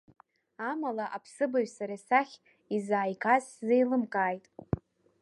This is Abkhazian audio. Амала аԥсыбаҩ сара сахь изааигаз сзеилымкааит.